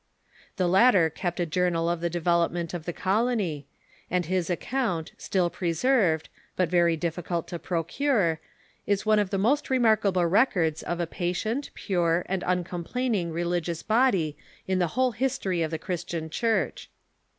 The latter kept a journal of the development of the colony, and his account, still preserved, but very difficult to procure, is one of the most remarkable records of a patient, pure, and uncomplaining religious body in the whole history of the Christian Church.